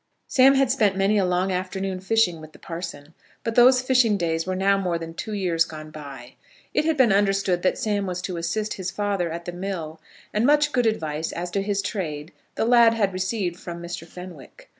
Sam had spent many a long afternoon fishing with the parson, but those fishing days were now more than two years gone by. It had been understood that Sam was to assist his father at the mill; and much good advice as to his trade the lad had received from Mr. Fenwick.